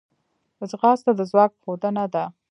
ځغاسته د ځواک ښودنه ده